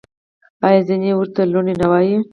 آیا ځینې ورته لوني نه وايي؟